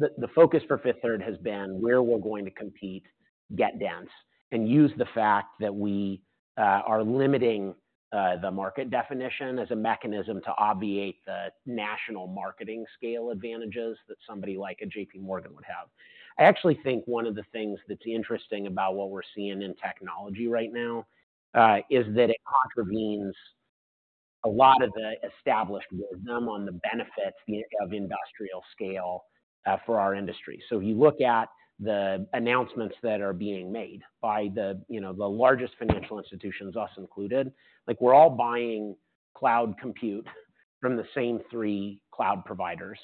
The focus for Fifth Third has been where we're going to compete, get dense, and use the fact that we are limiting the market definition as a mechanism to obviate the national marketing scale advantages that somebody like a JPMorgan would have. I actually think one of the things that's interesting about what we're seeing in technology right now is that it contravenes a lot of the established wisdom on the benefits of industrial scale for our industry. So if you look at the announcements that are being made by the, you know, the largest financial institutions, us included, like, we're all buying cloud compute from the same three cloud providers.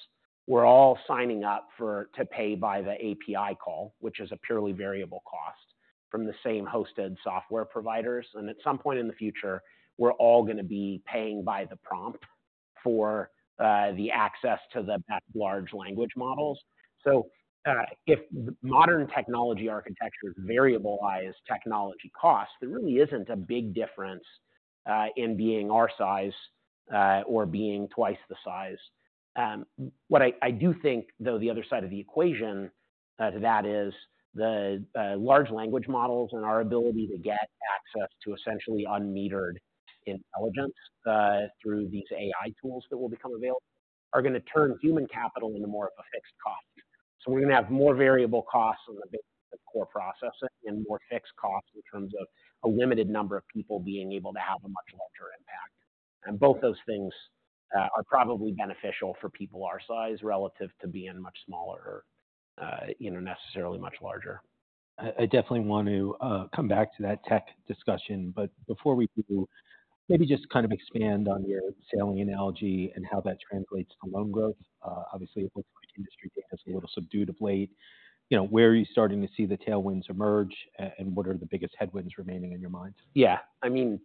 We're all signing up to pay by the API call, which is a purely variable cost, from the same hosted software providers. At some point in the future, we're all gonna be paying by the prompt for the access to the large language models. So, if modern technology architecture variabilizes technology costs, there really isn't a big difference in being our size or being twice the size. What I do think, though, the other side of the equation to that is the large language models and our ability to get access to essentially unmetered intelligence through these AI tools that will become available are gonna turn human capital into more of a fixed cost. So we're gonna have more variable costs on the core processing and more fixed costs in terms of a limited number of people being able to have a much larger impact. Both those things are probably beneficial for people our size relative to being much smaller, you know, necessarily much larger. I definitely want to come back to that tech discussion, but before we do, maybe just kind of expand on your sailing analogy and how that translates to loan growth. Obviously, it looks like industry data is a little subdued of late. You know, where are you starting to see the tailwinds emerge, and what are the biggest headwinds remaining in your mind? Yeah. I mean,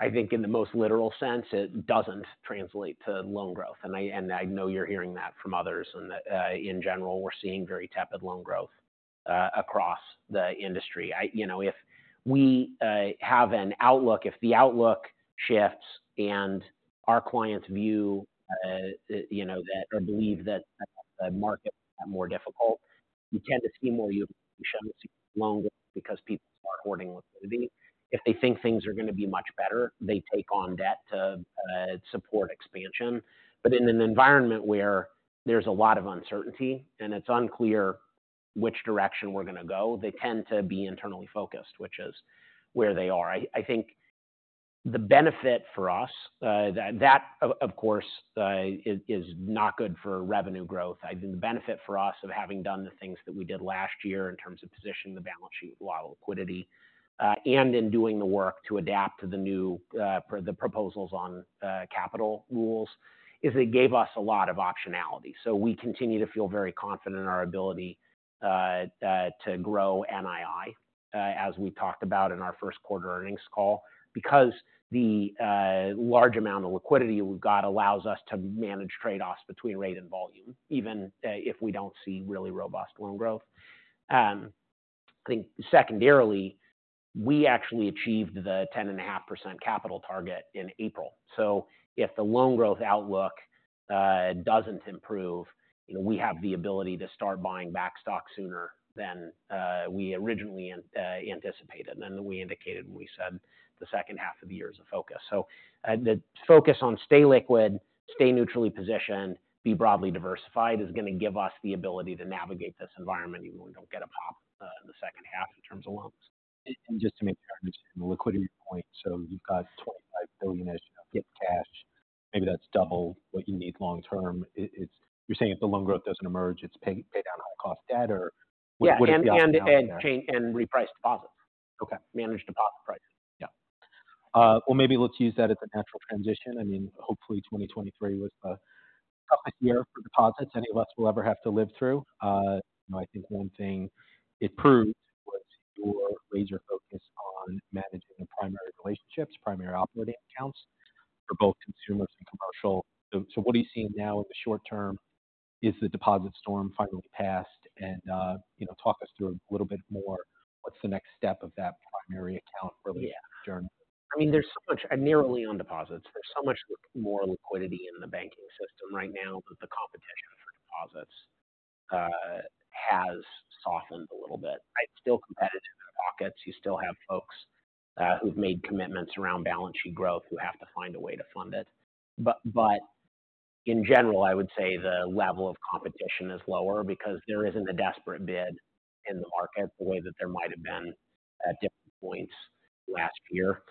I think in the most literal sense, it doesn't translate to loan growth, and I, and I know you're hearing that from others. In general, we're seeing very tepid loan growth across the industry. You know, if we have an outlook, if the outlook shifts and our clients view, you know, that or believe that the market is more difficult, you tend to see more loan growth because people start hoarding liquidity. If they think things are gonna be much better, they take on debt to support expansion. But in an environment where there's a lot of uncertainty and it's unclear which direction we're gonna go, they tend to be internally focused, which is where they are. I think the benefit for us, that, of course, is not good for revenue growth. I think the benefit for us of having done the things that we did last year in terms of positioning the balance sheet, a lot of liquidity, and in doing the work to adapt to the new, the proposals on, capital rules, is it gave us a lot of optionality. So we continue to feel very confident in our ability, to grow NII, as we talked about in our first quarter earnings call, because the, large amount of liquidity we've got allows us to manage trade-offs between rate and volume, even, if we don't see really robust loan growth. I think secondarily, we actually achieved the 10.5% capital target in April. So if the loan growth outlook doesn't improve, you know, we have the ability to start buying back stock sooner than we originally anticipated. Then we indicated when we said the second half of the year is a focus. So the focus on stay liquid, stay neutrally positioned, be broadly diversified, is gonna give us the ability to navigate this environment even when we don't get a pop in the second half in terms of loans. Just to make sure I understand the liquidity point, so you've got $25 billion as you get cash. Maybe that's double what you need long term. It's-- you're saying if the loan growth doesn't emerge, it's pay, pay down high cost debt, or what is the option? Yeah, and change and reprice deposits. Okay. Manage deposit prices. Yeah. Well, maybe let's use that as a natural transition. I mean, hopefully 2023 was the toughest year for deposits any of us will ever have to live through. You know, I think one thing it proved was your laser focus on managing the primary relationships, primary operating accounts for both consumers and commercial. So, what are you seeing now in the short term? Is the deposit storm finally passed? And, you know, talk us through a little bit more, what's the next step of that primary account relationship journey? Yeah. I mean, there's so much... And narrowly on deposits, there's so much more liquidity in the banking system right now that the competition for deposits has softened a little bit. It's still competitive in pockets. You still have folks who've made commitments around balance sheet growth, who have to find a way to fund it. But in general, I would say the level of competition is lower because there isn't a desperate bid in the market the way that there might have been at different points last year.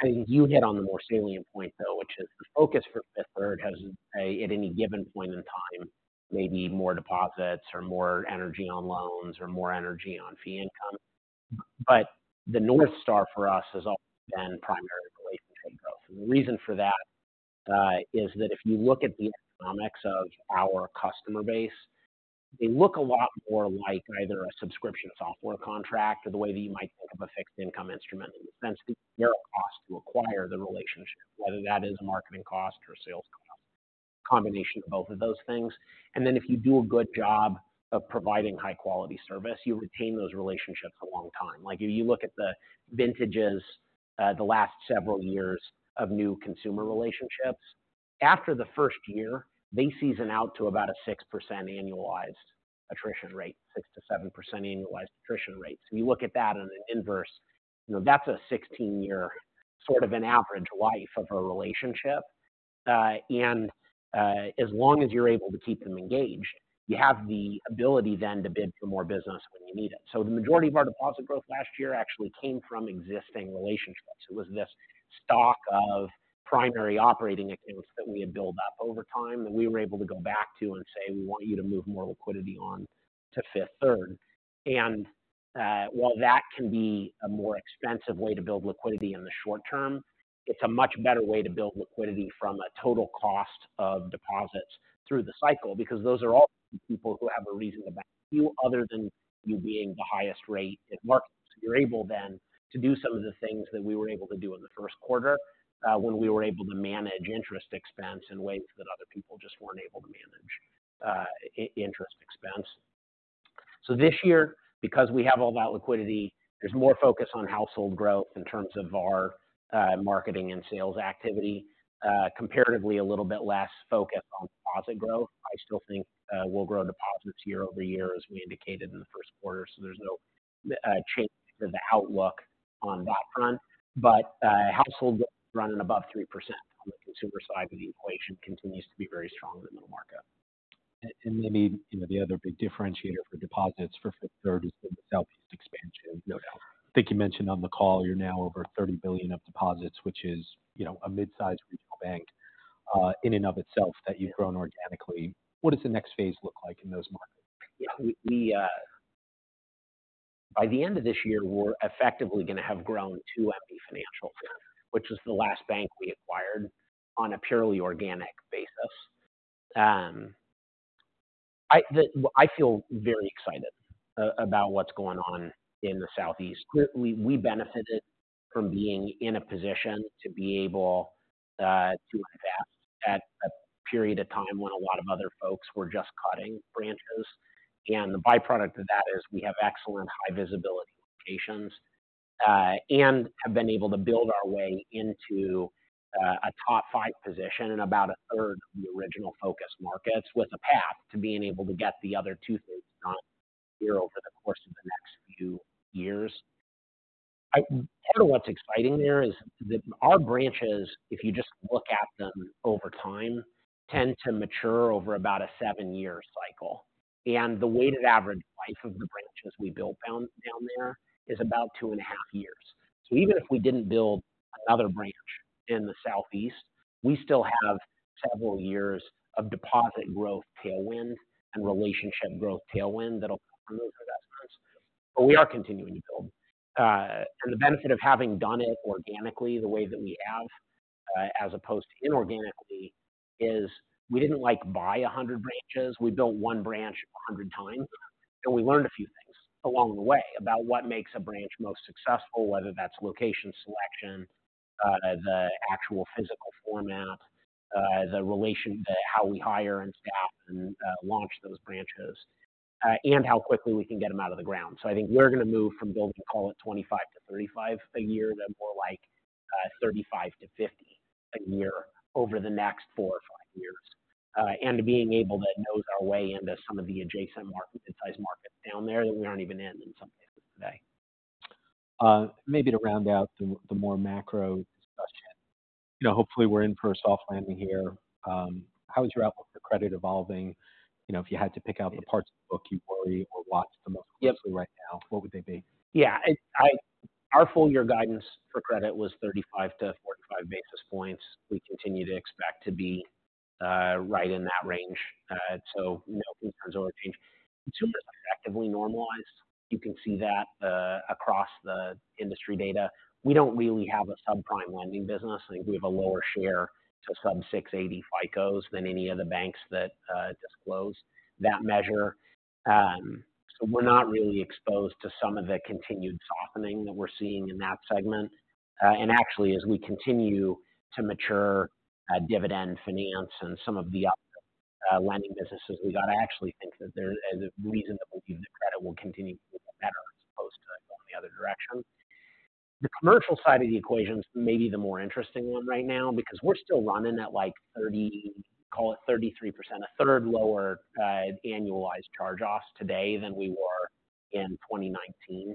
I think you hit on the more salient point, though, which is the focus for Fifth Third has, at any given point in time, may be more deposits or more energy on loans or more energy on fee income. But the North Star for us has always been primary relationship growth. And the reason for that is that if you look at the economics of our customer base, they look a lot more like either a subscription software contract or the way that you might think of a fixed income instrument. In a sense, the zero cost to acquire the relationship, whether that is a marketing cost or a sales cost, combination of both of those things. And then if you do a good job of providing high-quality service, you retain those relationships a long time. Like, if you look at the vintages, the last several years of new consumer relationships. After the first year, they season out to about a 6% annualized attrition rate, 6%-7% annualized attrition rates. When you look at that on an inverse, you know, that's a 16-year sort of an average life of a relationship. As long as you're able to keep them engaged, you have the ability then to bid for more business when you need it. So the majority of our deposit growth last year actually came from existing relationships. It was this stock of primary operating accounts that we had built up over time, that we were able to go back to and say: We want you to move more liquidity on to Fifth Third. And, while that can be a more expensive way to build liquidity in the short term, it's a much better way to build liquidity from a total cost of deposits through the cycle, because those are all people who have a reason to back you, other than you being the highest rate in market. You're able then, to do some of the things that we were able to do in the first quarter, when we were able to manage interest expense in ways that other people just weren't able to manage, interest expense. So this year, because we have all that liquidity, there's more focus on household growth in terms of our, marketing and sales activity. Comparatively a little bit less focused on deposit growth. I still think, we'll grow deposits year-over-year, as we indicated in the first quarter, so there's no, change in the outlook on that front. But, households running above 3% on the consumer side of the equation continues to be very strong in the market. Maybe, you know, the other big differentiator for deposits for Fifth Third is the Southeast expansion, no doubt. I think you mentioned on the call, you're now over $30 billion of deposits, which is, you know, a mid-sized regional bank, in and of itself, that you've grown organically. What does the next phase look like in those markets? Yeah, we. By the end of this year, we're effectively gonna have grown two MB Financials, which is the last bank we acquired on a purely organic basis. I feel very excited about what's going on in the Southeast. We benefited from being in a position to be able to invest at a period of time when a lot of other folks were just cutting branches. The byproduct of that is we have excellent high visibility locations, and have been able to build our way into a top five position in about a third of the original focus markets, with a path to being able to get the other two-thirds done here over the course of the next few years. Part of what's exciting there is that our branches, if you just look at them over time, tend to mature over about a 7-year cycle, and the weighted average life of the branches we built down, down there is about 2.5 years. So even if we didn't build another branch in the Southeast, we still have several years of deposit growth tailwind and relationship growth tailwind that'll investments. But we are continuing to build. And the benefit of having done it organically the way that we have, as opposed to inorganically, is we didn't, like, buy 100 branches. We built one branch 100 times, and we learned a few things along the way about what makes a branch most successful, whether that's location selection, the actual physical format, the relation to how we hire and staff and, launch those branches, and how quickly we can get them out of the ground. So I think we're gonna move from building, call it 25-35 a year, to more like, 35-50 a year over the next four or five years. And being able to nose our way into some of the adjacent market and size markets down there that we aren't even in in some cases today. Maybe to round out the more macro discussion. You know, hopefully, we're in for a soft landing here. How is your outlook for credit evolving? You know, if you had to pick out the parts of the book you worry or watch the most closely right now, what would they be? Yeah, our full-year guidance for credit was 35-45 basis points. We continue to expect to be right in that range. So no material change. Consumers effectively normalized. You can see that across the industry data. We don't really have a subprime lending business. I think we have a lower share to sub-600 FICOs than any of the banks that disclose that measure. So we're not really exposed to some of the continued softening that we're seeing in that segment. And actually, as we continue to mature, Dividend Finance and some of the other lending businesses we got, I actually think that there is a reasonable view that credit will continue to get better as opposed to going the other direction. The commercial side of the equation is maybe the more interesting one right now, because we're still running at, like, 30, call it 33% a third lower annualized charge-offs today than we were in 2019.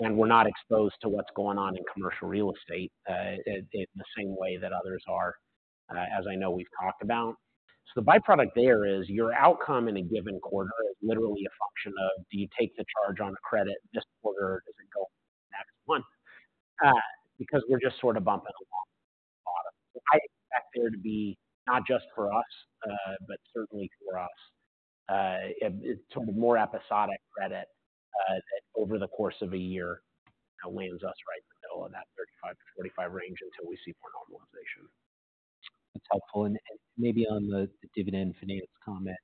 And we're not exposed to what's going on in commercial real estate, in the same way that others are, as I know we've talked about. So the byproduct there is, your outcome in a given quarter is literally a function of, do you take the charge on a credit this quarter, or does it go next month? Because we're just sort of bumping along. I expect there to be, not just for us, but certainly for us, to more episodic credit over the course of a year, lands us right in the middle of that 35-45 range until we see more normalization. That's helpful. And maybe on the Dividend Finance comment,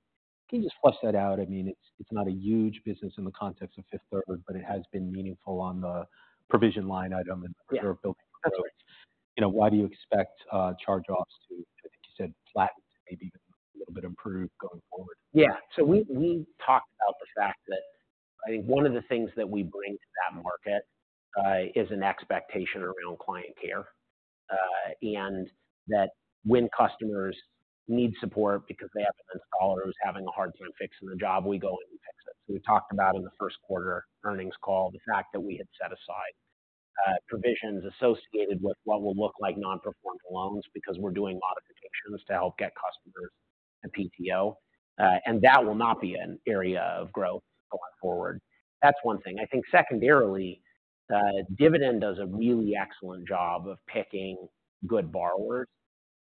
can you just flesh that out? I mean, it's not a huge business in the context of Fifth Third, but it has been meaningful on the provision line item and- Yeah. You know, why do you expect charge-offs to, I think you said, flatten, maybe even improve going forward? Yeah. So we, we talked about the fact that I think one of the things that we bring to that market is an expectation around client care. And that when customers need support because they have an installer who's having a hard time fixing the job, we go in and fix it. So we talked about in the first quarter earnings call, the fact that we had set aside provisions associated with what will look like non-performing loans, because we're doing a lot of concessions to help get customers to PTO. And that will not be an area of growth going forward. That's one thing. I think secondarily, Dividend does a really excellent job of picking good borrowers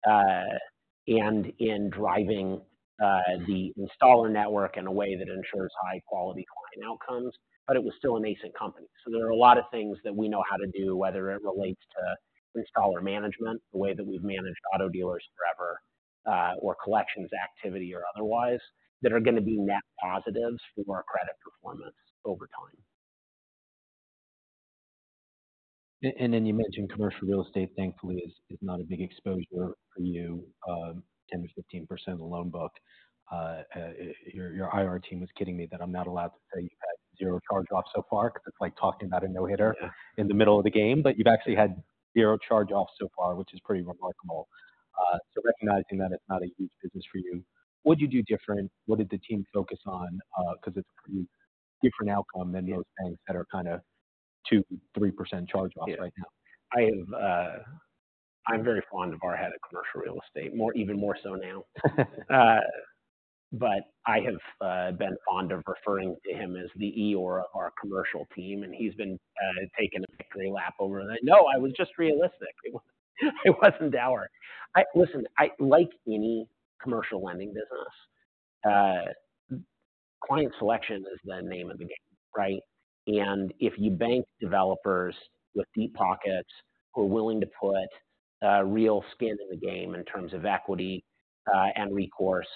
and in driving the installer network in a way that ensures high-quality client outcomes, but it was still a nascent company. So there are a lot of things that we know how to do, whether it relates to installer management, the way that we've managed auto dealers forever, or collections activity or otherwise, that are gonna be net positives for our credit performance over time. And then you mentioned commercial real estate, thankfully, is not a big exposure for you, 10%-15% of the loan book. Your IR team was kidding me that I'm not allowed to say you've had 0 charge-offs so far, because it's like talking about a no-hitter- Yeah in the middle of the game. But you've actually had zero charge-offs so far, which is pretty remarkable. So recognizing that it's not a huge business for you, what did you do different? What did the team focus on? Because it's a pretty different outcome than most banks that are kinda 2%-3% charge-off right now. I have... I'm very fond of our head of commercial real estate, more even more so now. But I have been fond of referring to him as the envy of our commercial team, and he's been taking a victory lap over that. No, I was just realistic. It wasn't, it wasn't dour. Listen, like any commercial lending business, client selection is the name of the game, right? And if you bank developers with deep pockets who are willing to put real skin in the game in terms of equity, and recourse,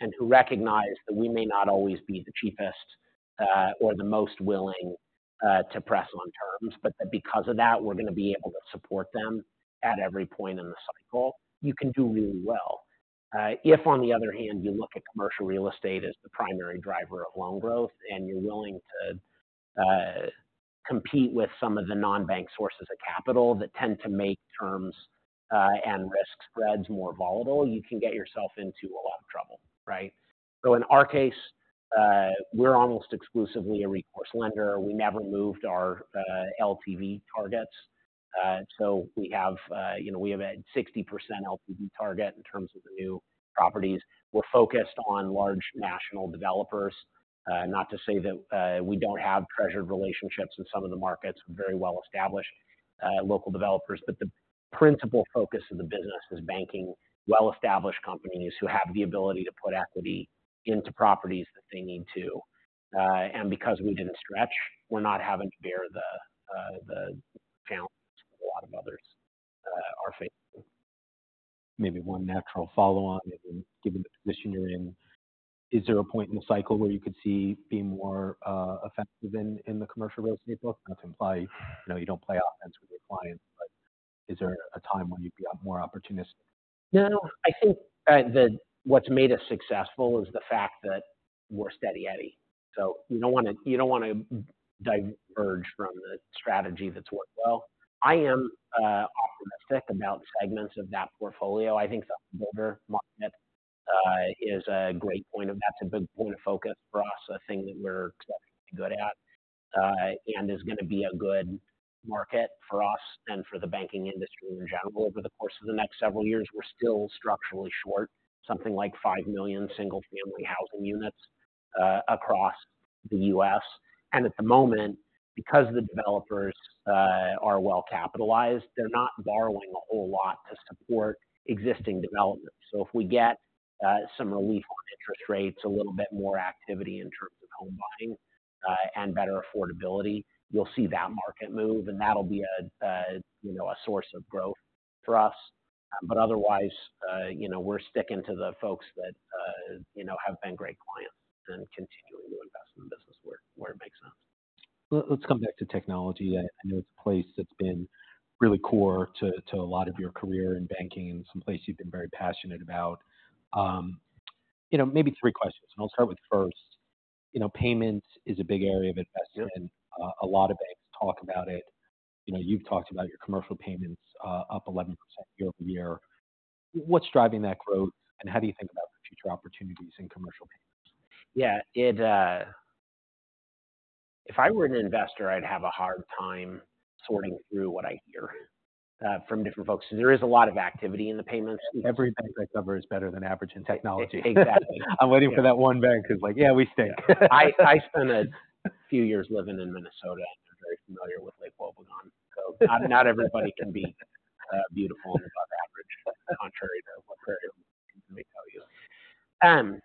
and who recognize that we may not always be the cheapest, or the most willing, to press on terms, but that because of that, we're gonna be able to support them at every point in the cycle, you can do really well. If, on the other hand, you look at commercial real estate as the primary driver of loan growth, and you're willing to compete with some of the non-bank sources of capital that tend to make terms and risk spreads more volatile, you can get yourself into a lot of trouble, right? So in our case, we're almost exclusively a recourse lender. We never moved our LTV targets. So we have, you know, we have a 60% LTV target in terms of the new properties. We're focused on large national developers. Not to say that we don't have treasured relationships in some of the markets, very well-established local developers, but the principal focus of the business is banking well-established companies who have the ability to put equity into properties that they need to. And because we didn't stretch, we're not having to bear the challenges a lot of others are facing. Maybe one natural follow-on, given the position you're in, is there a point in the cycle where you could see being more effective in the commercial real estate book? Not to imply, you know, you don't play offense with your clients, but is there a time where you'd be more opportunistic? No, I think, what's made us successful is the fact that we're Steady Eddy, so you don't wanna, you don't wanna diverge from the strategy that's worked well. I am optimistic about segments of that portfolio. I think the builder market is a great point of... That's a big point of focus for us, a thing that we're good at, and is gonna be a good market for us and for the banking industry in general over the course of the next several years. We're still structurally short, something like 5 million single-family housing units, across the U.S. And at the moment, because the developers are well capitalized, they're not borrowing a whole lot to support existing developments. So if we get some relief on interest rates, a little bit more activity in terms of home buying, and better affordability, you'll see that market move, and that'll be a you know, a source of growth for us. But otherwise, you know, we're sticking to the folks that you know, have been great clients and continuing to invest in the business where it makes sense. Let's come back to technology. I know it's a place that's been really core to a lot of your career in banking and someplace you've been very passionate about. You know, maybe three questions, and I'll start with the first. You know, payments is a big area of investment. Yep. A lot of banks talk about it. You know, you've talked about your commercial payments up 11% year-over-year. What's driving that growth, and how do you think about the future opportunities in commercial payments? Yeah... If I were an investor, I'd have a hard time sorting through what I hear from different folks. So there is a lot of activity in the payments space. Every bank I cover is better than average in technology. Exactly. I'm waiting for that one bank that's like, "Yeah, we stink. I spent a few years living in Minnesota and are very familiar with Lake Wobegon. So not everybody can be beautiful and above average, contrary to what they tell you.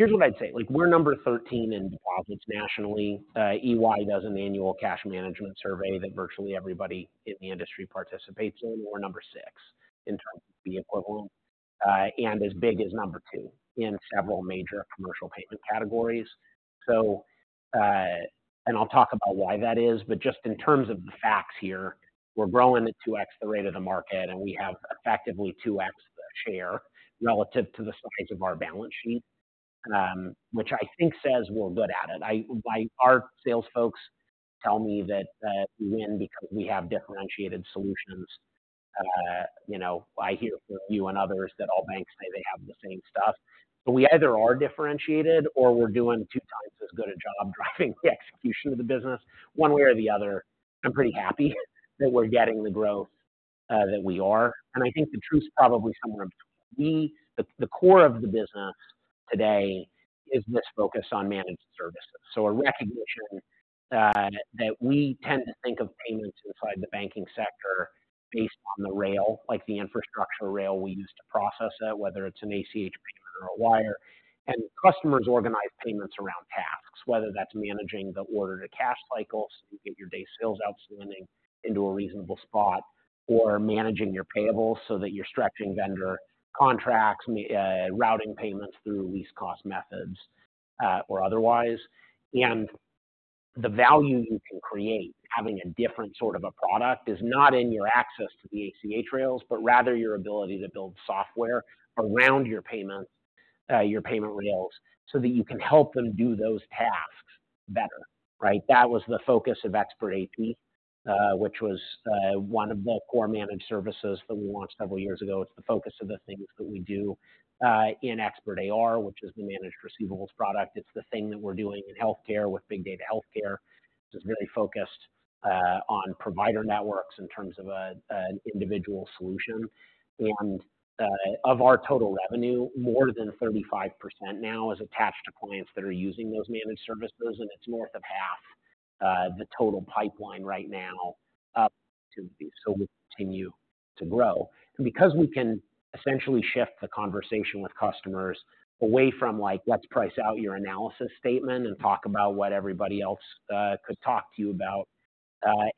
Here's what I'd say: like, we're number 13 in deposits nationally. EY does an annual cash management survey that virtually everybody in the industry participates in. We're number six in terms of the equivalent, and as big as number two in several major commercial payment categories. So, and I'll talk about why that is, but just in terms of the facts here, we're growing at 2x the rate of the market, and we have effectively 2x the share relative to the size of our balance sheet, which I think says we're good at it. Our sales folks tell me that we win because we have differentiated solutions. You know, I hear from you and others that all banks say they have the same stuff, but we either are differentiated or we're doing two times as good a job driving the execution of the business. One way or the other, I'm pretty happy that we're getting the growth that we are, and I think the truth is probably somewhere in between. The core of the business today is this focus on managed services. So a recognition that we tend to think of payments inside the banking sector based on the rail, like the infrastructure rail we use to process it, whether it's an ACH payment or a wire. Customers organize payments around tasks, whether that's managing the order-to-cash cycle, so you get your day sales outstanding into a reasonable spot, or managing your payables so that you're stretching vendor contracts, routing payments through least cost methods, or otherwise. The value you can create, having a different sort of a product, is not in your access to the ACH rails, but rather your ability to build software around your payments, your payment rails, so that you can help them do those tasks better, right? That was the focus of Expert AP, which was one of the core managed services that we launched several years ago. It's the focus of the things that we do in Expert AR, which is the managed receivables product. It's the thing that we're doing in healthcare with Big Data Healthcare, which is really focused on provider networks in terms of an individual solution. Of our total revenue, more than 35% now is attached to clients that are using those managed services, and it's north of half the total pipeline right now, so we continue to grow. And because we can essentially shift the conversation with customers away from, like, "Let's price out your analysis statement and talk about what everybody else could talk to you about,"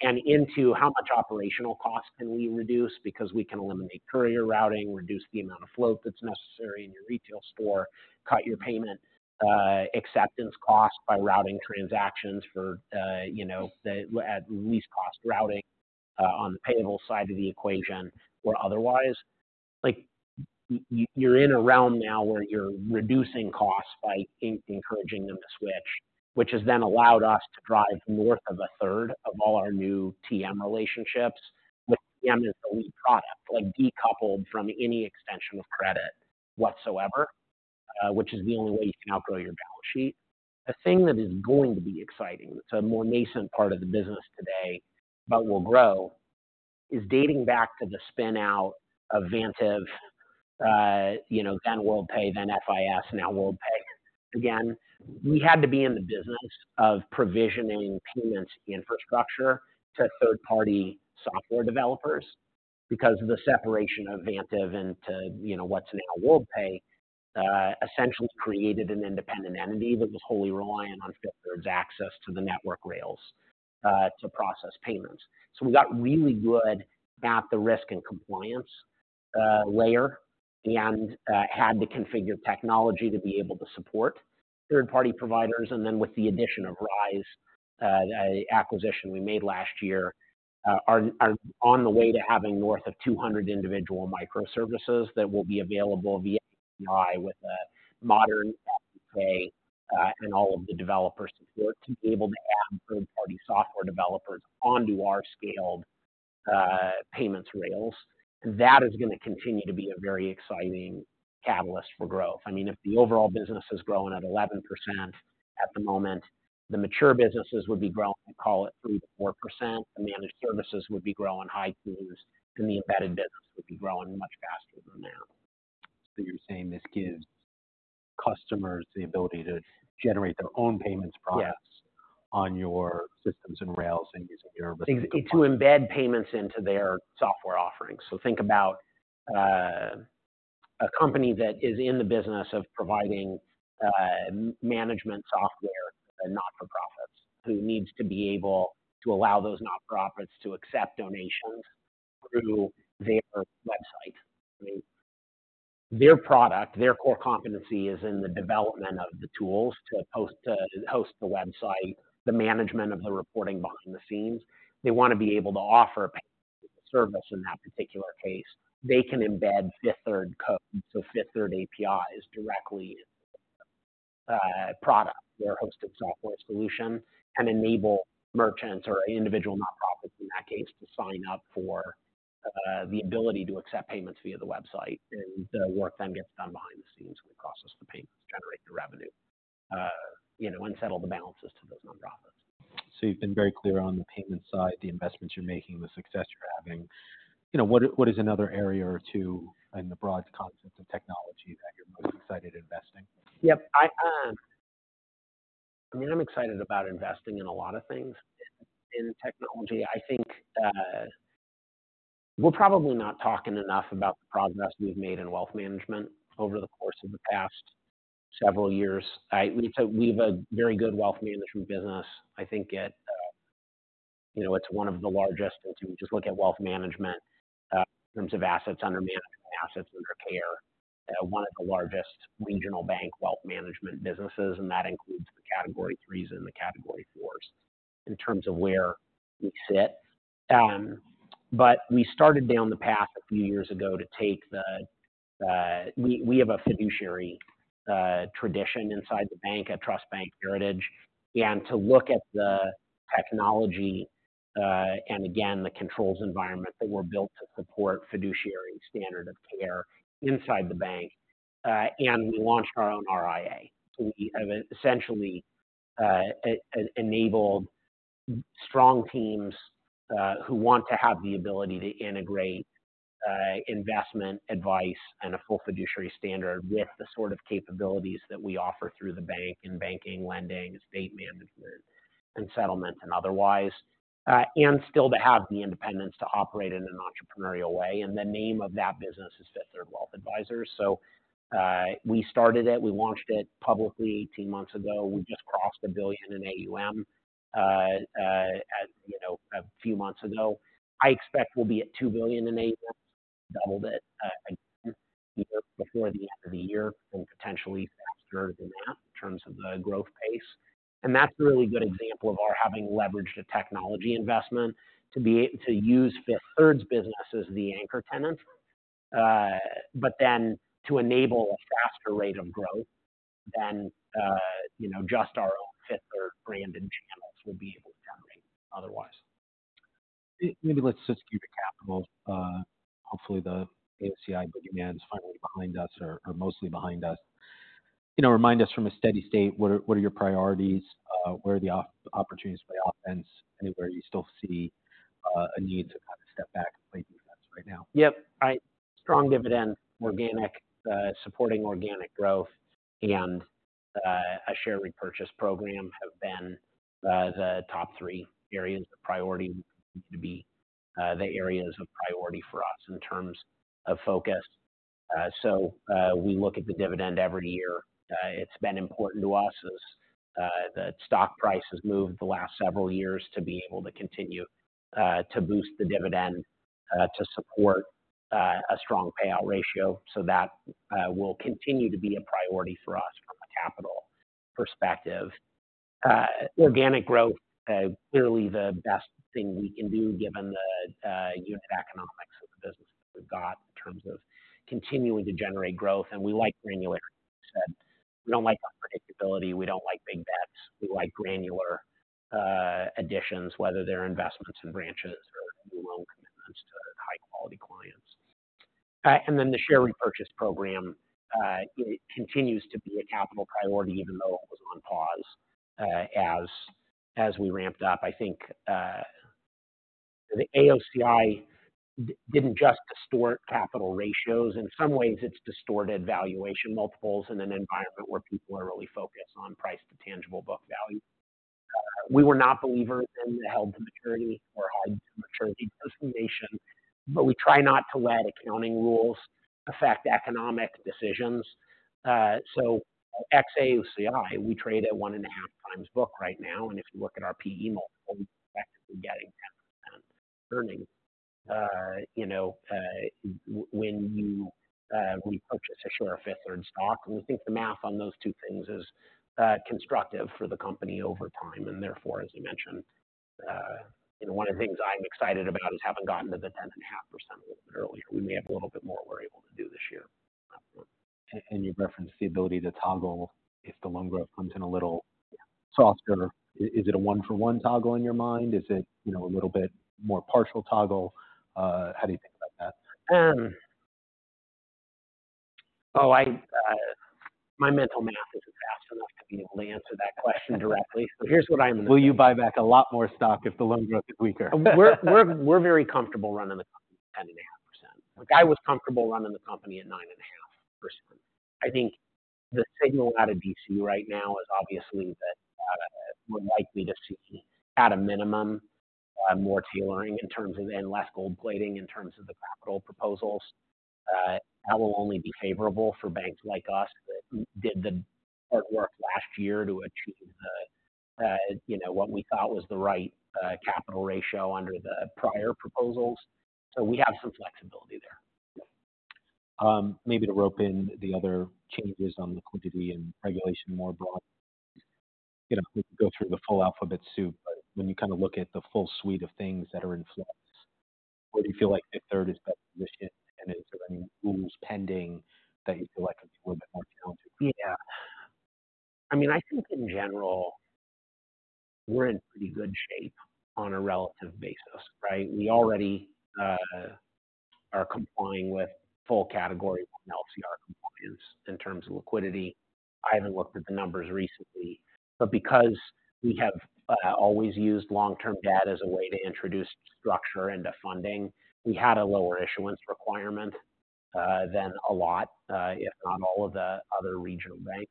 and into how much operational cost can we reduce because we can eliminate courier routing, reduce the amount of float that's necessary in your retail store, cut your payment acceptance cost by routing transactions for, you know, the at least cost routing on the payable side of the equation or otherwise. Like, you're in a realm now where you're reducing costs by encouraging them to switch, which has then allowed us to drive north of a third of all our new TM relationships, with TM as the lead product, like, decoupled from any extension of credit whatsoever, which is the only way you can outgrow your balance sheet. The thing that is going to be exciting, it's a more nascent part of the business today, but will grow, is dating back to the spin-out of Vantiv, you know, then Worldpay, then FIS, now Worldpay. Again, we had to be in the business of provisioning payment infrastructure to third-party software developers because of the separation of Vantiv into, you know, what's now Worldpay, essentially created an independent entity that was wholly reliant on Fifth Third's access to the network rails, to process payments. So we got really good at the risk and compliance layer, and had the configured technology to be able to support third-party providers. And then with the addition of Rize, the acquisition we made last year, are on the way to having north of 200 individual microservices that will be available via API with a modern way, and all of the developer support to be able to add third-party software developers onto our scaled, payments rails. That is gonna continue to be a very exciting catalyst for growth. I mean, if the overall business is growing at 11% at the moment, the mature businesses would be growing, call it 3%-4%, and the managed services would be growing high teens, and the embedded business would be growing much faster than that. So you're saying this gives customers the ability to generate their own payments products- Yes. on your systems and rails and using your To embed payments into their software offerings. So think about a company that is in the business of providing management software for nonprofits, who needs to be able to allow those nonprofits to accept donations through their website. I mean, their product, their core competency is in the development of the tools to host the website, the management of the reporting behind the scenes. They want to be able to offer a service in that particular case. They can embed Fifth Third code, so Fifth Third API is directly product their hosted software solution, and enable merchants or individual nonprofits, in that case, to sign up for the ability to accept payments via the website. And the work then gets done behind the scenes with the process, the payments, generating the revenue, you know, and settle the balances to those nonprofits. So you've been very clear on the payment side, the investments you're making, the success you're having. You know, what is, what is another area or two in the broad concept of technology that you're most excited investing? Yep. I mean, I'm excited about investing in a lot of things in technology. I think we're probably not talking enough about the progress we've made in wealth management over the course of the past several years, right? We've a very good wealth management business. I think it, you know, it's one of the largest, if you just look at wealth management, in terms of assets under management and assets under care, one of the largest regional bank wealth management businesses, and that includes the Category threes and the Category fours in terms of where we sit. But we started down the path a few years ago to take the we have a fiduciary tradition inside the bank at trust bank heritage, and to look at the technology, and again, the controls environment that were built to support fiduciary standard of care inside the bank. And we launched our own RIA. We have essentially enabled strong teams who want to have the ability to integrate investment advice and a full fiduciary standard with the sort of capabilities that we offer through the bank in banking, lending, estate management, and settlement and otherwise. And still to have the independence to operate in an entrepreneurial way, and the name of that business is Fifth Third Wealth Advisors. So, we started it, we launched it publicly 18 months ago. We just crossed $1 billion in AUM, as you know, a few months ago. I expect we'll be at $2 billion in AUM, doubled it, before the end of the year, and potentially faster than that in terms of the growth pace. And that's a really good example of our having leveraged a technology investment to use Fifth Third's business as the anchor tenant, but then to enable a faster rate of growth than, you know, just our own Fifth Third brand and channels will be able to generate otherwise. Maybe let's just keep it capital. Hopefully, the AOCI boom is finally behind us or mostly behind us. You know, remind us from a steady state, what are your priorities? Where are the opportunities to play offense? Anywhere you still see a need to kind of step back and play defense right now? Yep. Strong dividend, organic, supporting organic growth, and a share repurchase program have been the top three areas of priority to be the areas of priority for us in terms of focus. So, we look at the dividend every year. It's been important to us as the stock price has moved the last several years to be able to continue to boost the dividend to support a strong payout ratio. So that will continue to be a priority for us from a capital perspective. Organic growth clearly the best thing we can do, given the unit economics of the business we've got in terms of continuing to generate growth. We like granular. We don't like unpredictability, we don't like big bets. We like granular additions, whether they're investments in branches or new loan commitments to high-quality clients. And then the share repurchase program, it continues to be a capital priority, even though it was on pause, as we ramped up. I think the AOCI didn't just distort capital ratios. In some ways, it's distorted valuation multiples in an environment where people are really focused on price to tangible book value. We were not believers in the held-to-maturity designation, but we try not to let accounting rules affect economic decisions. So ex-AOCI, we trade at 1.5x book right now, and if you look at our PE multiple, we're effectively getting 10% earnings. You know, when you -- we purchase a share of Fifth Third stock, and we think the math on those two things is constructive for the company over time. And therefore, as you mentioned, you know, one of the things I'm excited about is having gotten to the 10.5% earlier. We may have a little bit more we're able to do this year. You've referenced the ability to toggle if the loan growth comes in a little softer. Is it a one-for-one toggle in your mind? Is it, you know, a little bit more partial toggle? How do you think about that? My mental math isn't fast enough to be able to answer that question directly. So here's what I'm- Will you buy back a lot more stock if the loan growth is weaker? We're very comfortable running the company at 10.5%. The guy was comfortable running the company at 9.5%. I think the signal out of D.C. right now is obviously that we're likely to see, at a minimum, more tiering in terms of and less gold plating in terms of the capital proposals. That will only be favorable for banks like us that did the hard work last year to achieve the, you know, what we thought was the right capital ratio under the prior proposals. So we have some flexibility there. Maybe to rope in the other changes on liquidity and regulation more broadly. You know, go through the full alphabet soup, but when you kind of look at the full suite of things that are in flux, where do you feel like the third is best positioned? And is there any rules pending that you feel like it's a little bit more challenging? Yeah. I mean, I think in general, we're in pretty good shape on a relative basis, right? We already are complying with full Category 1 LCR compliance in terms of liquidity. I haven't looked at the numbers recently, but because we have always used long-term debt as a way to introduce structure into funding, we had a lower issuance requirement than a lot if not all of the other regional banks,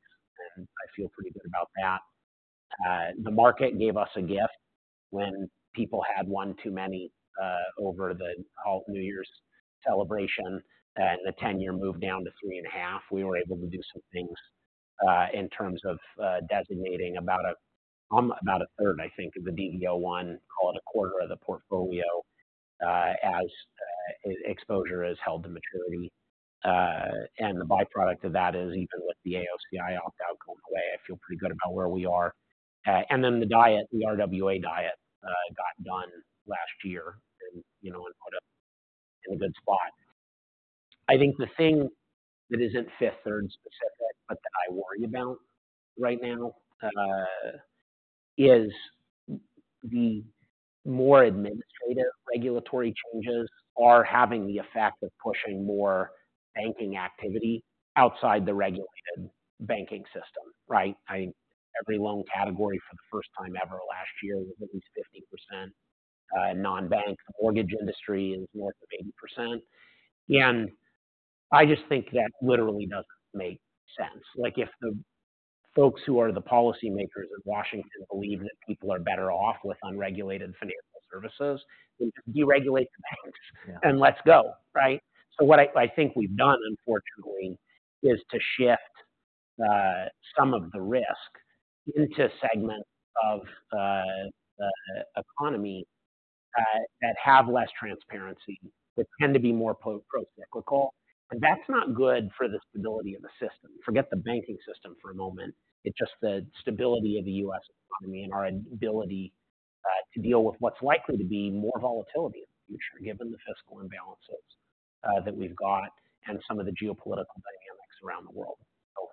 and I feel pretty good about that. The market gave us a gift when people had one too many over the New Year's celebration, and the ten-year moved down to 3.5. We were able to do some things in terms of designating about a third, I think, of the new one, call it a quarter of the portfolio.... As exposure is held to maturity. And the byproduct of that is even with the AOCI opt-out going away, I feel pretty good about where we are. And then the RWA diet got done last year and, you know, put us in a good spot. I think the thing that isn't Fifth Third specific, but that I worry about right now, is the more administrative regulatory changes are having the effect of pushing more banking activity outside the regulated banking system, right? Every loan category for the first time ever last year was at least 50%, and non-bank, the mortgage industry is more than 80%. And I just think that literally doesn't make sense. Like, if the folks who are the policymakers in Washington believe that people are better off with unregulated financial services, then deregulate the banks- Yeah. and let's go, right? So what I think we've done, unfortunately, is to shift some of the risk into segments of the economy that have less transparency, that tend to be more procyclical. That's not good for the stability of the system. Forget the banking system for a moment, it's just the stability of the U.S. economy and our ability to deal with what's likely to be more volatility in the future, given the fiscal imbalances that we've got and some of the geopolitical dynamics around the world. So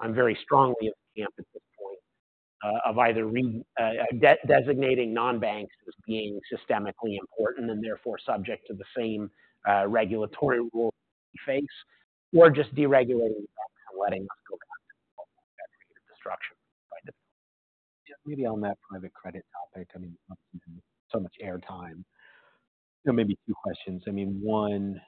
I'm very strongly of the camp at this point of either de-designating non-banks as being systemically important and therefore subject to the same regulatory rules we face, or just deregulating and letting us go back to creative destruction. Maybe on that private credit topic, I mean, so much airtime. So maybe two questions. I mean, one,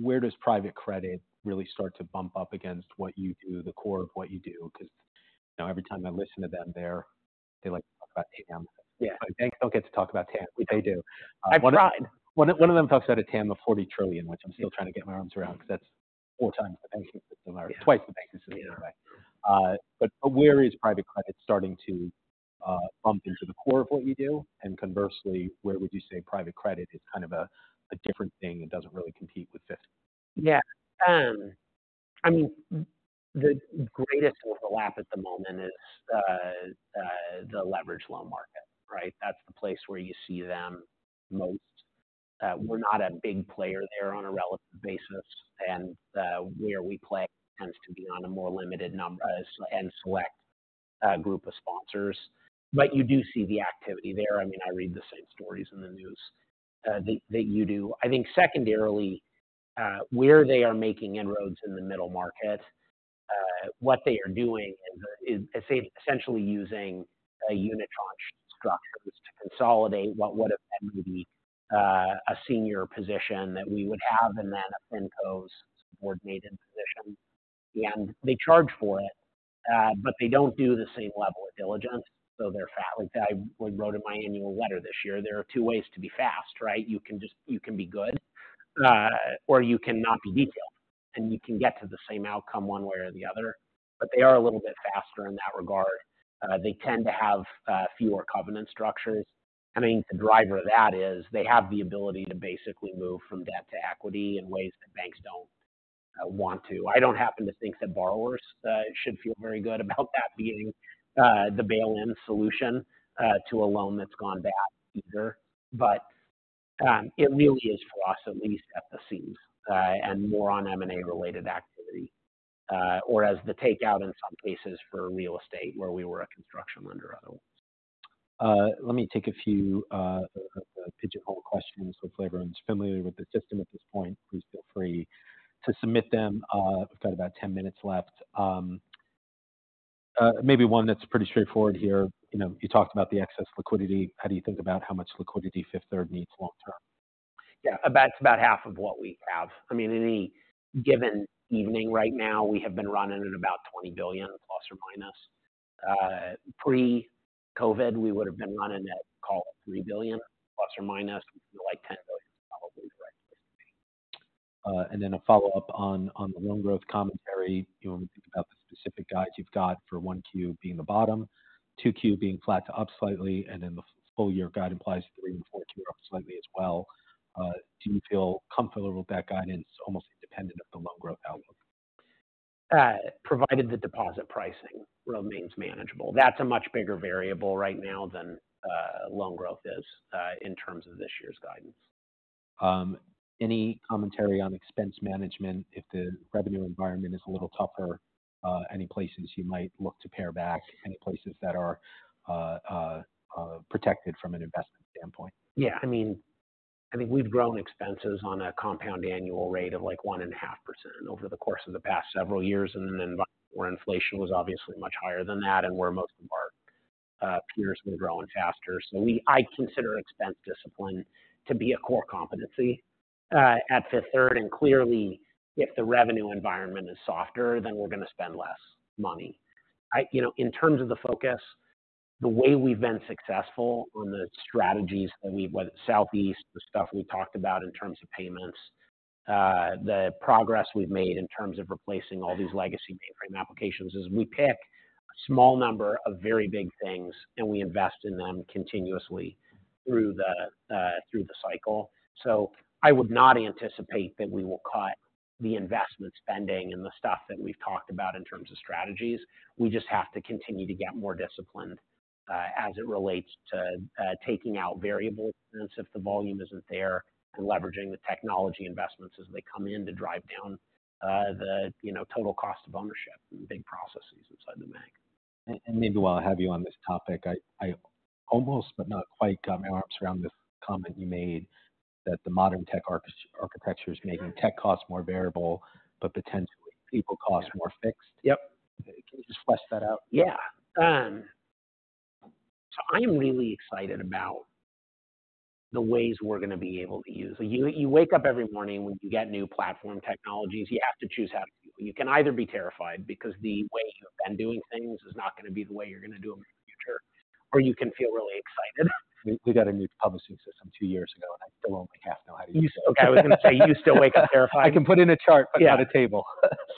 where does private credit really start to bump up against what you do, the core of what you do? Because, you know, every time I listen to them, they like to talk about TAM. Yeah. Banks don't get to talk about TAM. They do. I've tried. One of them talks about a TAM of $40 trillion, which I'm still trying to get my arms around, because that's 4 times the banking system, or twice the banking system. Yeah. But where is private credit starting to bump into the core of what you do? And conversely, where would you say private credit is kind of a different thing that doesn't really compete with Fifth? Yeah. I mean, the greatest overlap at the moment is the leverage loan market, right? That's the place where you see them most. We're not a big player there on a relative basis, and where we play tends to be on a more limited number and select group of sponsors. But you do see the activity there. I mean, I read the same stories in the news that you do. I think secondarily, where they are making inroads in the middle market, what they are doing is essentially using unitranche structures to consolidate what would have been maybe a senior position that we would have and that finco's subordinated position. And they charge for it, but they don't do the same level of diligence, so they're fast. Like I wrote in my annual letter this year, there are two ways to be fast, right? You can just be good, or you can not be detailed, and you can get to the same outcome one way or the other. But they are a little bit faster in that regard. They tend to have fewer covenant structures. I mean, the driver of that is they have the ability to basically move from debt to equity in ways that banks don't want to. I don't happen to think that borrowers should feel very good about that being the bail-in solution to a loan that's gone bad either. But, it really is for us, at least in the Southeast, and more on M&A-related activity, or as the takeout in some cases for real estate where we were a construction lender on it. Let me take a few pigeonhole questions. Hopefully, everyone's familiar with the system at this point. Please feel free to submit them. We've got about 10 minutes left. Maybe one that's pretty straightforward here. You know, you talked about the excess liquidity. How do you think about how much liquidity Fifth Third needs long term? Yeah, about half of what we have. I mean, any given evening right now, we have been running at about $20 billion ±. Pre-COVID, we would have been running at, call it $3 billion ±, like $10 billion is probably the right place to be. And then a follow-up on the loan growth commentary. You know, when we think about the specific guides you've got for 1Q being the bottom, 2Q being flat to up slightly, and then the full year guide implies 3Q and 4Q up slightly as well. Do you feel comfortable with that guidance, almost independent of the loan growth outlook? Provided the deposit pricing remains manageable. That's a much bigger variable right now than loan growth is in terms of this year's guidance. Any commentary on expense management, if the revenue environment is a little tougher, any places you might look to pare back, any places that are protected from an investment standpoint? Yeah, I mean, I think we've grown expenses on a compound annual rate of, like, 1.5% over the course of the past several years, and then where inflation was obviously much higher than that, and where most of our peers have been growing faster. So I consider expense discipline to be a core competency at Fifth Third, and clearly, if the revenue environment is softer, then we're going to spend less money. You know, in terms of the focus, the way we've been successful on the strategies that we've whether it's Southeast, the stuff we talked about in terms of payments, the progress we've made in terms of replacing all these legacy mainframe applications, is we pick a small number of very big things, and we invest in them continuously through the cycle. I would not anticipate that we will cut the investment spending and the stuff that we've talked about in terms of strategies. We just have to continue to get more disciplined, as it relates to, taking out variable costs if the volume isn't there, and leveraging the technology investments as they come in to drive down, the, you know, total cost of ownership and big processes inside the bank. Maybe while I have you on this topic, I almost, but not quite, got my arms around the comment you made that the modern tech architecture is making tech costs more variable, but potentially people costs more fixed. Yep. Can you just flesh that out? Yeah. So I'm really excited about the ways we're gonna be able to use... You, you wake up every morning when you get new platform technologies, you have to choose how to use. You can either be terrified because the way you've been doing things is not gonna be the way you're gonna do them in the future, or you can feel really excited. We got a new publishing system two years ago, and I still only half know how to use it. Okay, I was gonna say, you still wake up terrified. I can put in a chart, but not a table.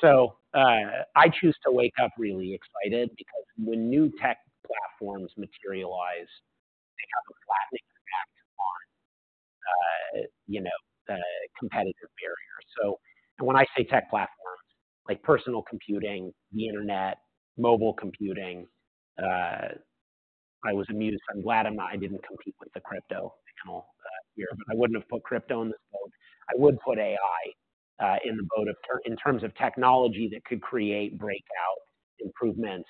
So, I choose to wake up really excited, because when new tech platforms materialize, they have a flattening effect on, you know, competitive barriers. So, and when I say tech platforms, like personal computing, the internet, mobile computing, I was amused. I'm glad I'm not. I didn't compete with the crypto channel, here, but I wouldn't have put crypto in this boat. I would put AI, in the boat of in terms of technology that could create breakout improvements,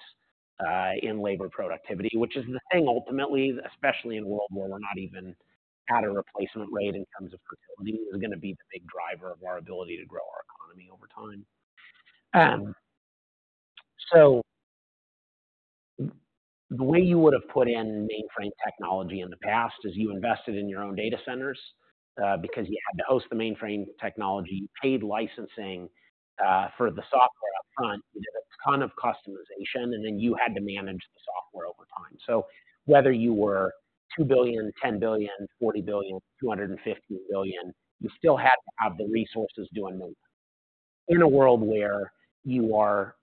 in labor productivity, which is the thing ultimately, especially in a world where we're not even at a replacement rate in terms of fertility, is gonna be the big driver of our ability to grow our economy over time. So the way you would've put in mainframe technology in the past is you invested in your own data centers, because you had to host the mainframe technology, you paid licensing for the software upfront. You did a ton of customization, and then you had to manage the software over time. So whether you were $2 billion, $10 billion, $40 billion, $250 billion, you still had to have the resources doing that. In a world where you are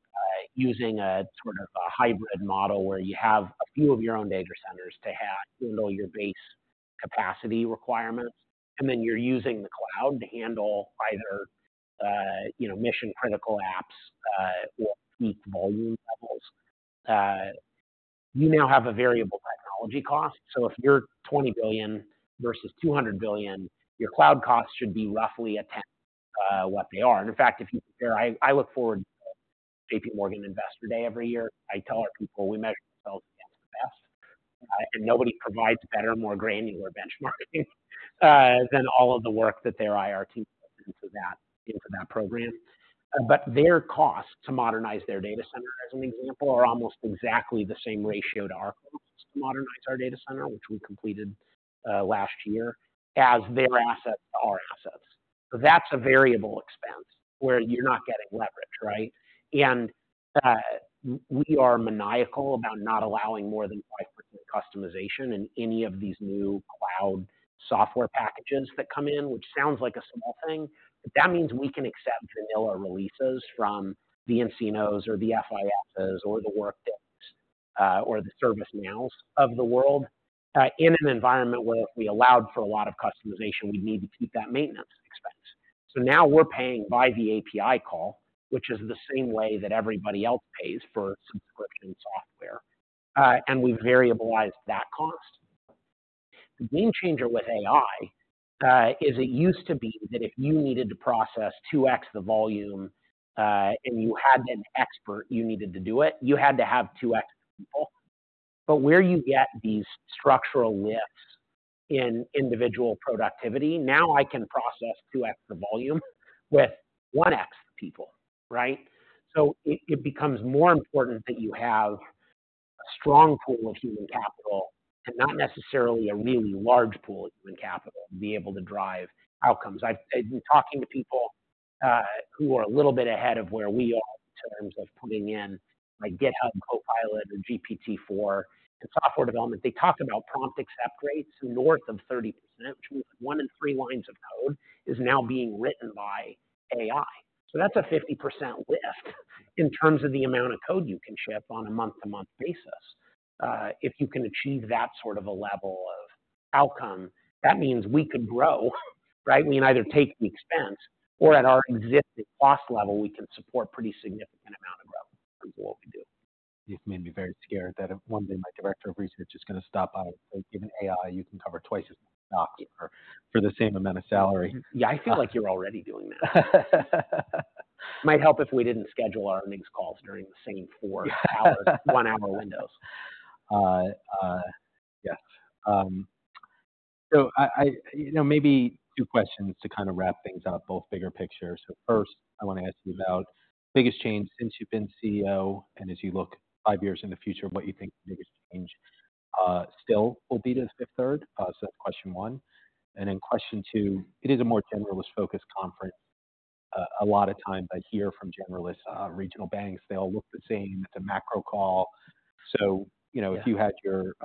using a sort of a hybrid model, where you have a few of your own data centers to handle your base capacity requirements, and then you're using the cloud to handle either, you know, mission-critical apps, or peak volume levels, you now have a variable technology cost. So if you're 20 billion versus 200 billion, your cloud costs should be roughly a tenth, what they are. And in fact, I look forward to JPMorgan Investor Day every year. I tell our people, we measure ourselves against the best, and nobody provides better, more granular benchmarking, than all of the work that their IR team puts into that, into that program. But their costs to modernize their data center, as an example, are almost exactly the same ratio to our costs to modernize our data center, which we completed, last year, as their assets to our assets. So that's a variable expense where you're not getting leverage, right? And, we are maniacal about not allowing more than 5% customization in any of these new cloud software packages that come in, which sounds like a small thing, but that means we can accept vanilla releases from the nCinos or the FISs or the Workdays, or the ServiceNows of the world. In an environment where if we allowed for a lot of customization, we'd need to keep that maintenance expense. So now we're paying by the API call, which is the same way that everybody else pays for subscription software, and we've variabilized that cost. The game changer with AI is it used to be that if you needed to process 2x the volume, and you had an expert, you needed to do it, you had to have 2x people. But where you get these structural lifts in individual productivity, now I can process 2x the volume with 1x people, right? So it becomes more important that you have a strong pool of human capital, and not necessarily a really large pool of human capital, to be able to drive outcomes. I've been talking to people who are a little bit ahead of where we are in terms of putting in, like, GitHub Copilot and GPT-4 in software development. They talked about prompt accept rates north of 30%, which means one in three lines of code is now being written by AI. So that's a 50% lift in terms of the amount of code you can ship on a month-to-month basis. If you can achieve that sort of a level of outcome, that means we could grow, right? We can either take the expense, or at our existing cost level, we can support pretty significant amount of growth in terms of what we do. You've made me very scared that one day my director of research is gonna stop by and say, "Given AI, you can cover twice as much for the same amount of salary. Yeah, I feel like you're already doing that. Might help if we didn't schedule our earnings calls during the same four hours- Yeah. - one-hour windows. Yeah. So you know, maybe two questions to kind of wrap things up, both bigger picture. So first, I want to ask you about the biggest change since you've been CEO, and as you look five years in the future, what you think the biggest change still will be to Fifth Third? So that's question one. And then question two, it is a more generalist-focused conference. A lot of times I hear from generalists, regional banks, they all look the same. It's a macro call. So, you know- Yeah. if you had your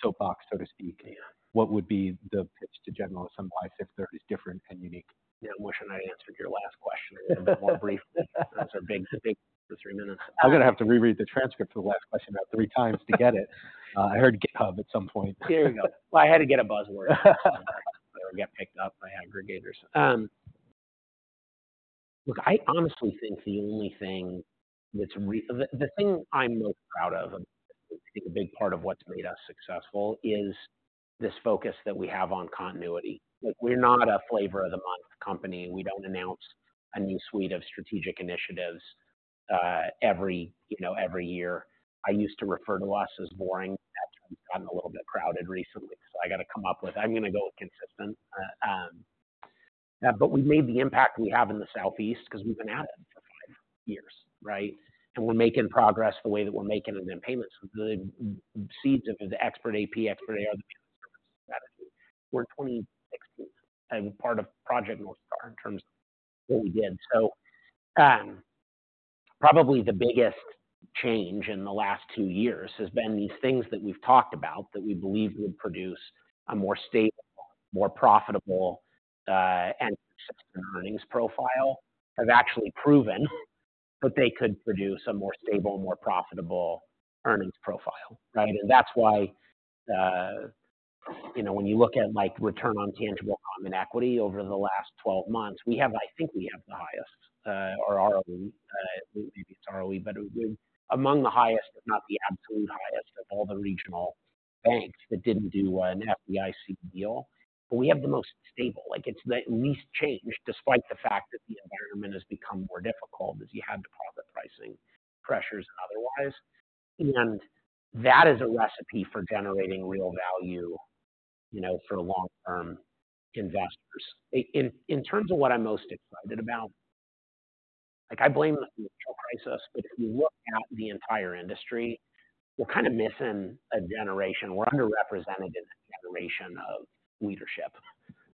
soapbox, so to speak Yeah. What would be the pitch to generalists on why Fifth Third is different and unique? Yeah, I wish I'd answered your last question a little bit more briefly. That was a big, big 3 minutes. I'm gonna have to reread the transcript for the last question about three times to get it. I heard GitHub at some point. There you go. Well, I had to get a buzzword. It'll get picked up by aggregators. Look, I honestly think the only thing that's the thing I'm most proud of, and I think a big part of what's made us successful, is this focus that we have on continuity. Like, we're not a flavor-of-the-month company. We don't announce a new suite of strategic initiatives, every, you know, every year. I used to refer to us as boring. That's gotten a little bit crowded recently, so I gotta come up with... I'm gonna go with consistent. But we've made the impact we have in the Southeast because we've been at it for five years, right? And we're making progress the way that we're making it in payments, with the seeds of the Expert AP, Expert AR strategy. We're in 2016, and part of Project North Star in terms of what we did. So, probably the biggest change in the last two years has been these things that we've talked about that we believe would produce a more stable, more profitable, and earnings profile, have actually proven that they could produce a more stable, more profitable earnings profile, right? And that's why, you know, when you look at, like, return on tangible common equity over the last 12 months, we have-- I think we have the highest, or ROE, maybe it's ROE, but it would... Among the highest, if not the absolute highest, of all the regional banks that didn't do an FDIC deal. But we have the most stable, like, it's the least changed, despite the fact that the environment has become more difficult as you have deposit pricing pressures and otherwise. And that is a recipe for generating real value, you know, for long-term investors. In terms of what I'm most excited about, like, I blame the financial crisis, but if you look at the entire industry, we're kind of missing a generation. We're underrepresented in the generation of leadership,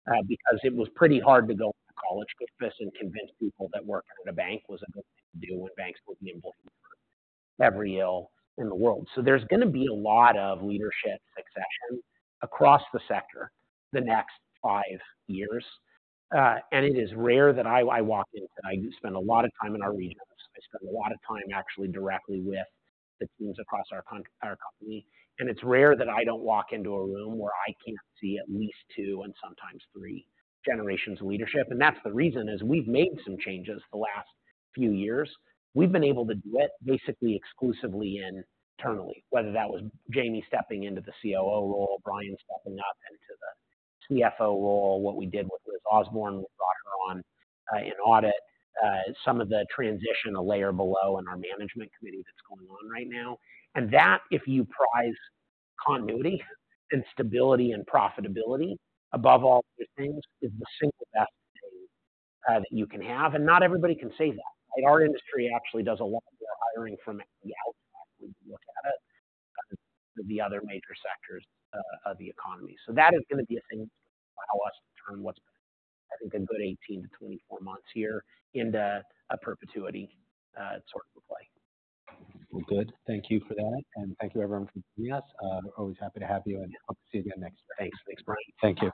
and it was pretty hard to go to college with this and convince people that working at a bank was a good thing to do when banks were being blamed for every ill in the world. So there's gonna be a lot of leadership succession across the sector the next five years. And it is rare that I walk into... I spend a lot of time in our regions. I spend a lot of time actually directly with the teams across our company, and it's rare that I don't walk into a room where I can't see at least two and sometimes three generations of leadership. And that's the reason, is we've made some changes the last few years. We've been able to do it basically exclusively internally, whether that was Jamie stepping into the COO role, Bryan stepping up into the CFO role, what we did with Liz Osborne, we brought her on in audit. Some of the transition, a layer below in our management committee, that's going on right now. And that, if you prize continuity and stability and profitability above all other things, is the single best thing that you can have. And not everybody can say that. Our industry actually does a lot of their hiring from the outside, when you look at it, the other major sectors, of the economy. So that is gonna be a thing allow us to turn what's, I think, a good 18-24 months here into a perpetuity, sort of play. Well, good. Thank you for that, and thank you, everyone, for joining us. Always happy to have you, and hope to see you again next week. Thanks, Bryan. Thank you.